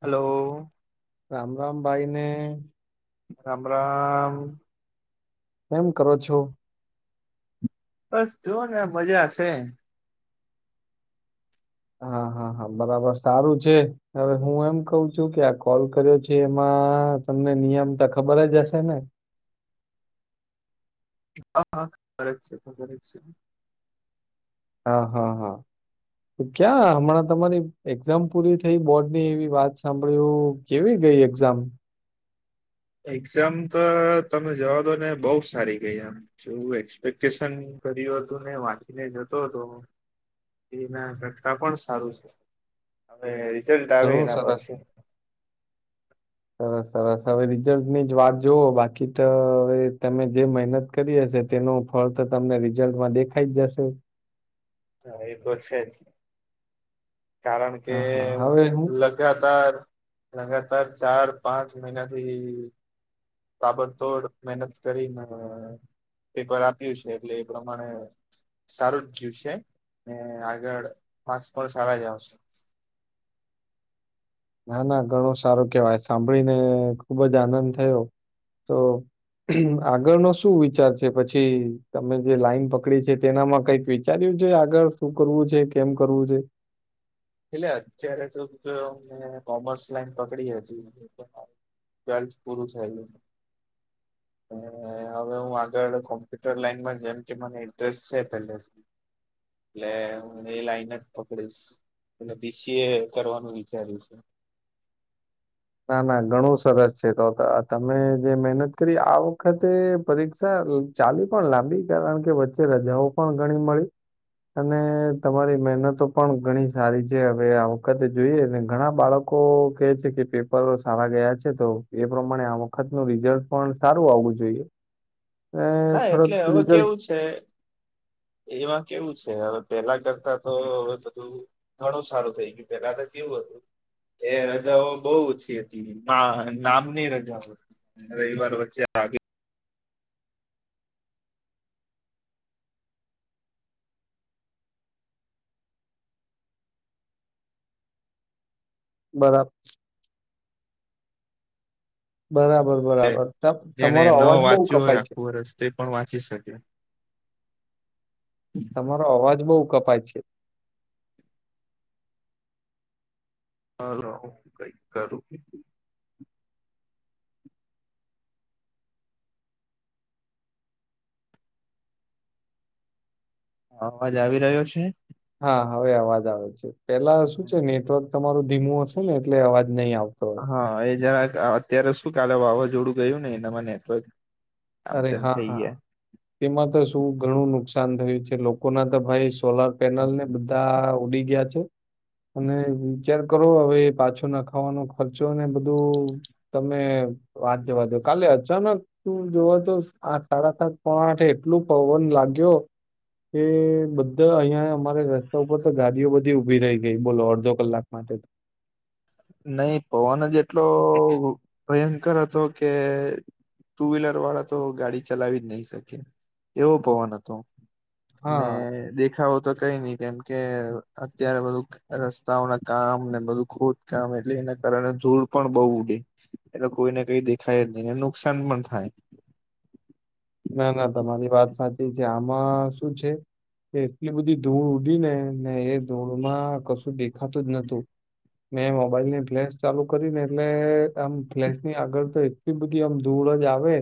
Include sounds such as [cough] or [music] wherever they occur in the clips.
Hello. Ram Ram ભાઈ ને. રામ રામ. એમ કરો છો? બસ જુઓ ને આ મજા સે. હા, હા, હા બરાબર સારું છે. હવે હું એમ કઉં છું કે આ કોલ કર્યો છે એમાં તમને નિયમ તો ખબર જ હશે ને? હા, હા, ફરક છે. ખબર જ છે. હા, હા, હા. તો ક્યાં હમણાં તમારી એક્ઝામ પૂરી થઈ બોર્ડ ની એવી વાત સાંભળ્યો. કેવી ગઈ એક્ઝામ? એક્ઝામ તો તમે જવા દો ને બઉ સારી ગઈ એમ જો એક્સપેક્ટેશન કર્યું હતું ને વાંચીને જતો હતો એના કરતાં પણ સારું છે. હવે રિઝલ્ટ આવે ઘણું એના પર સરસ છે. સરસ સરસ હવે રિઝલ્ટની જ વાત જોવો બાકી તો હવે તમે જે મહેનત કરી હશે તેનું ફળ તો તમને રિઝલ્ટમાં દેખાઈ જ જશે. હા, એ તો છે જ. કારણ કે હા હા હવે હું લગાતાર લગાતાર ચાર પાંચ મહિના થી તાબડતોડ મહેનત કરીને અહ પેપર આપ્યું છે એટલે એ પ્રમાણે સારું જ ગયું છે ને આગળ માર્ક્સ પણ સારા જ આવશ ના ના ઘણો સારો કેવાય સાંભળીને અહ ખુબ જ આનંદ થયો તો આગળનો શું વિચાર છે પછી તમે જે લાઈન પકડી છે તેનામાં કઈક વિચાર્યું છે આગળ શું કરવું છે કેમ કરવું છે. એટલે અત્યારે તો તો મે કોમર્સ લાઈન પકડી હતી ટવેલ્થ પૂરું થયેલું ને હવે હું આગળ કોમ્પ્યુટર લાઈનમાં જેમ કે મને ઇન્ટરેસ્ટ છે પહેલે થી એટલે હું એ લાઈન જ પકડીશ. એટલે બી સી એ કરવાનું વિચાર્યું છે. ના ના ઘણું સરસ છે તો તમે જે મહેનત કરી આ વખતે પરીક્ષા અહ ચાલી પણ લાંબી કારણ કે વચ્ચે રજાઓ પણ ઘણી મળી અને તમારી મહેનતો પણ ઘણી સારી છે હવે આ વખતે જોઈએ ને ઘણા બાળકો કેહે છે કે પે પરરો સારા ગયા છે તો એ પ્રમાણે આ વખતનું રિઝલ્ટ પણ સારું આવવું જોઈએ. અને ના થોડોક એટલે હવે રિઝલ્ટ કેવું છે એમાં કેવું છે હવે પેલા કરતા તો હવે બધું ઘણું સારું થઈ ગય પેલા તો કેવું હતું એ રજાઓ બહુ ઓછી હતી બા નામની રજાઓ હતી રવિવાર વચ્ચે આવી બરા બરાબર છે બરાબર ત જેને તમારો ન અવાજ બહુ વાંચ્યું કપાય હોય છે. આખું વરસ્તે પણ વાંચી શકીએ. તમારો અવાજ બઉ કપાય છે. આ કઈ કરું અવાજ આવી રહ્યો છે. હા હવે અવાજ આવે છે. પેલા શું છે નેટવર્ક તમારું ધીમું હશે ને એટલે અવાજ નહીં આવે. હા એ જરાક અત્યારે શું? કાલે વાવાઝોડું ગયું ને એનામાં નેટવર્ક આમ અરે તેમ હા થઈ હા ગયા તેમાં તો શું શું ઘણું નુકસાન થયું છે? લોકો ના તો ભાઈ સોલાર પેનલ ને બધા ઉડી ગયા છે. અને વિચાર કરો હવે પાછો નખાવાનો ખર્ચો ને બધું, તમે વાત જવા દો, કાલે અચાનક તું જોવા તો આ સાડા સાત પોણા આઠે એટલું પવન લાગ્યો કે, બધા અહીં અમારે રસ્તા ઉપર તો ગાડીઓ બધી ઊભી રહી ગઈ બોલો, અડધો કલાક માટે, નહી પવન જ એટલો એટલો ભયંકર હતો કે ટુ વ્હીલર વાળા તો, ગાડી ચલાવી જ નહી શકે. એવો પવન હતો. અને હા, દેખાવ તો કઈ નહી. કેમ કે અત્યારે બધું રસ્તાઓના કામ ને, બધું ખોદ કામ એટલે એના કારણે ધૂળ પણ બહુ ઉડે, એટલે કોઈને કઈ દેખાય જ નહી. એને નુકસાન પણ થાય. ના ના તમારી વાત સાચી છે. આમાં શું છે કે? એટલી બધી ધૂળ ઉડી ને ને એ ધૂળમાં કશું દેખાતું જ નતું, મેં મોબાઈલ ની ફ્લેશ ચાલુ કરી ને, એટલે આમ ફ્લેશ ની આગળ તો એટલી બધી આમ ધૂળ જ આવે,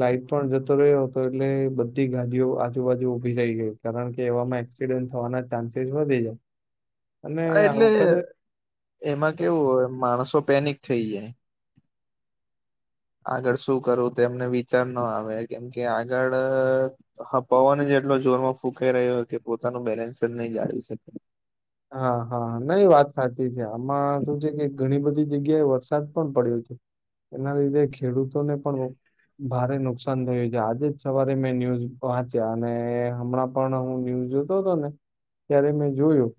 લાઈટ પણ જતો રહ્યો હતો. એટલે બધી ગાડીઓ આજુબાજુ ઊભી રઈ ગઈ. કારણ કે, એવામાં એક્સિડન્ટ થવાના ચાન્સીસ વધી જાય. અને હા! આ એટલે વખતે એમાં કેવું હોય માણસો પેનિક થઈ જાય. આગળ શું કરું તેમને વિચાર ના આવે? કેમ કે, આગળ પવન જ એટલો જોરમાં ફૂંકાઈ રહ્યો કે, પોતાનું બેલેન્સ જ નહી જાળવી શકે. હા હા નઈ વાત સાચી છે. આમાં શું છે કે, ઘણી બધી જગ્યાએ વરસાદ પણ પડ્યો છે. એના લીધે ખેડૂતોને પણ ભારે નુકસાન થયું છે. આજે જ સવારે મેં ન્યૂઝ વાંચ્યા અને હમણાં પણ હું ન્યૂઝ જોતો હતો ને ત્યારે મેં જોયું.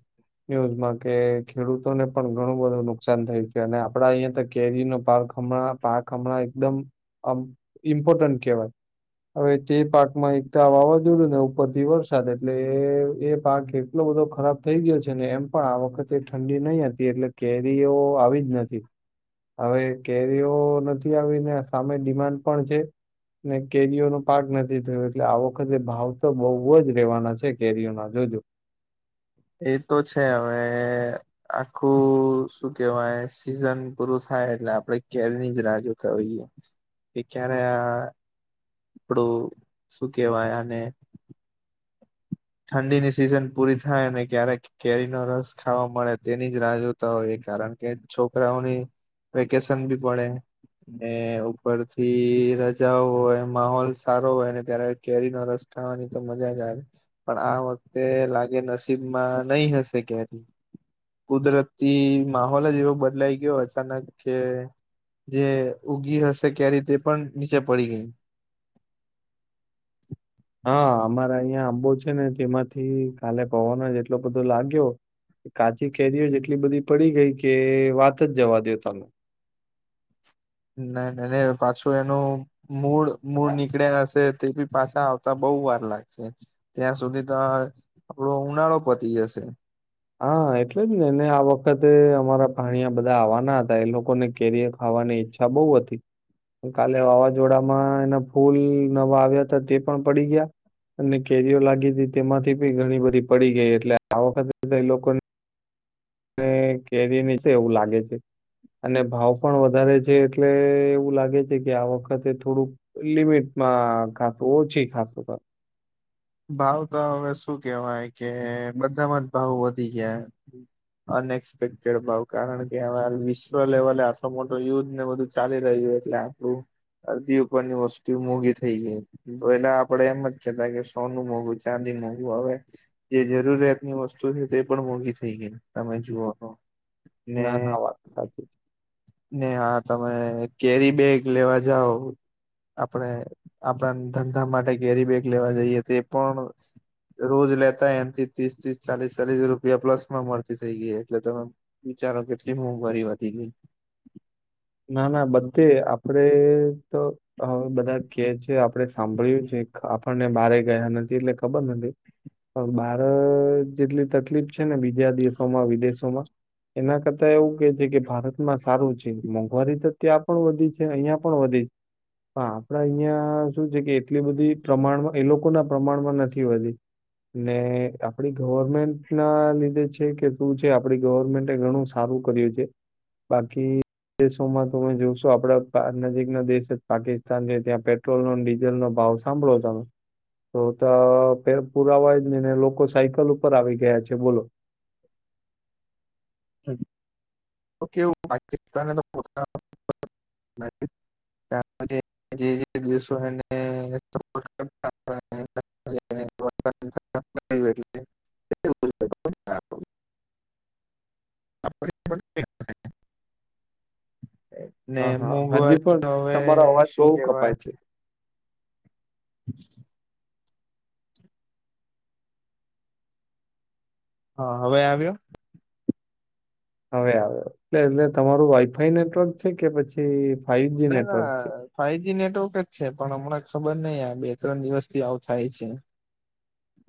ન્યૂઝમાં કે ખેડૂતોને પણ ઘણું બધું નુકસાન થયું છે. અને આપડા અહિયાં તો કેરીનો પાક હમણાં પાક એકદમ ઇમ્પોર્ટન્ટ કહેવાય, હવે તે પાકમાં એક તો આ વાવાઝોડું ને ઉપરથી વરસાદ એટલે એ એ પાક એટલો બધો ખરાબ થઈ ગયો છે. ને એમ પણ આ વખતે ઠંડી નહી હતી એટલે, કેરીઓ આવી જ નથી. હવે કેરીઓ નથી આવીને સામે ડિમાન્ડ પણ છે, કેરીઓનો પાક નથી થયો, એટલે આ વખતે ભાવ તો બહુ જ રેવાના છે. કેરીઓના જોજો. એ તો છે હવે, આખું શું કેહેવાય સિઝન પૂરું થાય એટલે, આપણે કેરીની જ રાહ જોતા હોઇએ કે ક્યારે આ આપડું શું કેહેવાય આને? ઠંડીની સિઝન પૂરી થાય ને, ક્યારે કેરીનો રસ ખાવા મળે તેની જ રાહ જોતા હોય. કારણ કે છોકરાઓની વેકેશન બી પડે ને, ઉપરથી રજાઓ હોય. માહોલ સારો હોય ત્યારે કેરીનો રસ ખાવાની તો મજા જ આવે. પણ, આ વખતે લાગે નસીબ માં નહી હશે કે, કુદરતી માહોલ જ એવો બદલાઈ ગયો છે. અચાનક કે જે ઊગી હશે કેરી તે પણ નીચે પડી ગઈ. હાઆઆ અમારે અંયા આંબો છેને તેમાથી કાલે પવનો એટલો બધો લાગ્યો કાચી કેરીઓ જેટલી બધી પડી ગઈ કે વાત જ જવા દો તમે. નઈ નઈ નહી પાછું એનું મૂળ મૂળ નીકળ્યા હશે. તે બી પાછા આવતા બહુ વાર લાગશે, ત્યાં સુધી તો આપડો ઉનાળો પતી જશે. હા એટલે જ ને એને આ વખતે અમારા ભાણીયા બધા આવવાના હતા. એ લોકોને કેરીઓ ખાવાની ઈચ્છા બહુ હતી. પણ કાલે વાવાઝોડામાં એના ફૂલ નવા આવ્યા હતા તે પણ પડી ગયા અને કેરીઓ લાગી હતી તેમાંથી બી ઘણી બધી પડી ગઈ એટલે આ વખતે એ લોકોને. અને કેરીની છે એવું લાગે છે. અને ભાવ પણ વધારે છે એટલે એવું લાગે છે કે, આ વખતે થોડુંક લિમિટમાં ખાાસું ઓછી ખાસું. ભાવ તો હવે શું કેવાય કે? બધામાં જ ભાવ વધી ગયા અનએક્સપેક્ટેડ ભાવ કારણ કે, આ વિશ્વ લેવલે આટલો મોટો યુદ્ધ ને બધું ચાલી રહ્યું, એટલે આપણું અરધી ઉપરની વસ્તુ મોંઘી થઈ ગઈ પેલા આપડે એમ જ કેતા કે. સોનુ મોંઘું, ચાંદી મોંઘું હવે જે જરૂરિયાતની વસ્તુ છે તે પણ, મોંઘી થઈ ગઈ તમે જુઓ તો. ને ના ના વાત સાચી છે. ને હા તમે કેરી બેગ લેવા જાઓ, આપણે આપણા ધંધા માટે કેરી બેગ લેવા જઈએ તો પણ, રોજ લેતા એનાથી ત્રીસ ત્રીસ ચાલીસ ચાલીસ રૂપિયા પ્લસ માં મળતી થઇ ગઈવ એટલે તમે વિચારો, કેટલી મોંઘવારી વધી ગઈ. ના ના બધે આપડે તો હવે બધા કે છે. જે આપડે સાંભળ્યું છે. [inaudible] પણને બારે ગયા નથી એટલે ખબર નથી પણ બાર જેટલી તકલીફ છે ને બીજા દેશોમાં, વિદેશોમાં એના કરતા એવું કે છે કે ભારતમાં સારું છે. મોંઘવારી તો ત્યાં પણ વધી છે અહિયાં પણ વધી, પણ આપડા અહિયાયા શું છે કે એટલી બધી પ્રમાણમાં એ લોકોના પ્રમાણમાં નથી વધી, ને આપડી ગવર્મેન્ટના લીધે છે કે શું છે આપડી ગવર્મેન્ટ ઘણું સારું કર્યું છે, બાકી દેશોમાં તમે જોશો આપડા પા નજીક ના દેશ જ પાકિસ્તાન છે ત્યાં પેટ્રોલનો ને ડીઝલનો ભાવ સાંભળો તમે, તોતા પુરાવાય જ નહી ને લોકો સાયકલ ઉપર આવી ગયા છે બોલો. [inaudible] તો કેવું પાકિસ્તાન [unintelligible] દેશો [unintelligible] આપદે પણ [unintelligible] હ હ હજી પણ તમારો અવાજ બહુ શું કેવાય કપાય છે. [inaudible] હા હવે આવ્યો? હવે આવ્યો, એટલે કે તમારું વાઈફાઈ નેટવર્ક છે કે પછી ફાઈવ જી ના ના નેટવર્ક છે? ફાઈવ જ નેટવર્ક જ છે પણ હમણાં ખબ ખબર નહી આ બે ત્રણ દિવસ થી આવું થાય છે.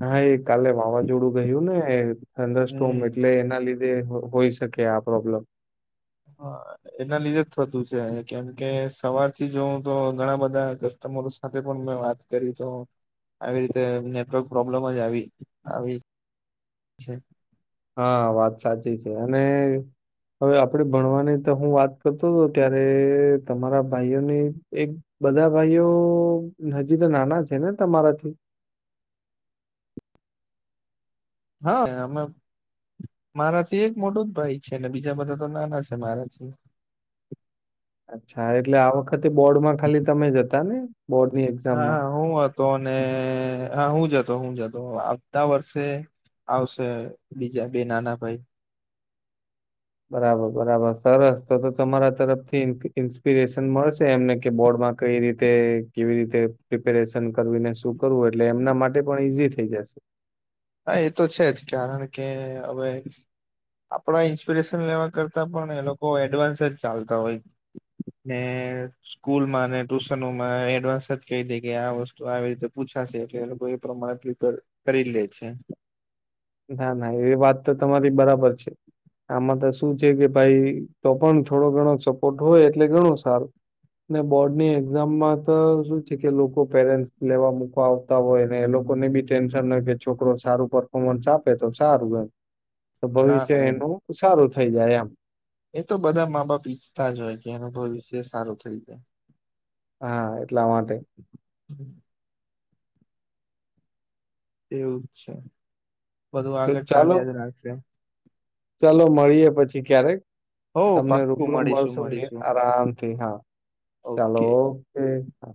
હા એ કાલે વાવાઝોડું ગયું ને ઠંડરસ્ટોમ હમ. એટલે એના લી [unintelligible] હોઈ શકે આ પ્રોબ્લેમ. હ એના લીધે જ થતું છે, કેમ કે સવારથી જો તો ઘણા બધા કસ્ટમરો સાથે પણ મેં વાત કરી તો આવી રીતે નેટવર્ક પ્રોબ્લેમ જ આવી આવી છે. હા વાત સાચી છે, અને હવે આપણે ભણવાની તો હું વાત કરતો તો, ત્યારે તમારા ભાઈઓની એક બધા ભાઈઓ ન હજી તો નાના છે ને તમારાથી? હા અમે મારાથી એક મોટું જ ભાઈ છે અને બીજા બધા તો નાના છે મારાથી. અચ્છા, એટલે આખ તે બોર્ડ માં ખાલી તમે જ હતા ને? બોર્ડની હા એક્ઝામમાં. હું હતો, અને હા હું જ હતો. તો હું જતો આવતા વર્ષે આવશે બીજા બે નાના ભાઈ. બરાબર બરાબર, સરસ તો તો તમારા તરફથી ઇન ઇન્સ્પિરેશન મળશે એમને કે બોર્ડમાં કઈ રીતે કેવી રીતે પ્રિપેરેશન કરવીને શું કરવું એટલે એમના માટે પણ ઈઝી થઈ જશે. હા એ તો છે જ કારણ કે હવે આપણા ઈન્સ્પિરેશન લેવા કરતાં પણ એ લોકો એડવાન્સ જ ચાલતા હોય ને સ્કૂલમાં, ને ટુશનોમાં એડવાન્સ જ કહી દે કે આ વસ્તુ આવી રીતે પૂછાશે એટલે એ લોકો એ પ્રમાણે પ્રિપેર કરી લે. અચ્છા. ના ના એવી વાત તો તમારી બરાબર છે, આમાં તો શું છે કે ભાઈ તો પણ થોડો ઘણો સપોર્ટ હોય એટલે ઘણો સારું, ને બોર્ડ ની એક્ઝામમાં તો શું છે કે લોકો પેરેન્ટ્સ લેવા મુકવા આવતા હોય, ને એ લોકોને બી ટેન્શન હોય કે છોકરો સારું પરર્ફોર્મન્સ આપે તો સારું એમ. તો ના ભવિષ્ય ના એનું સારું થઈ જાય એમ. એ તો બધા મા બાપ ઈચ્છતા જ હોય કે એનુ ભવિષ્ય સારું થઈ જાય. હા એટલા માટે. હમ્મ. એવું જ છે. બધું તો આગળ ચાલો ચાલ્યા જ રાખશે. ચાલો મળીએ પછી ક્યારેક. હો તમને પાક્કું રૂબરૂ મળીશું મળશું ને મળીશું આરામથી હા, ચાલો, ઓકે ઓ કે. હા.